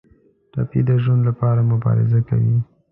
ټپي د ژوند لپاره مبارزه کوي.